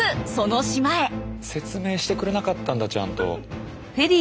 説明してくれなかったんだちゃんと。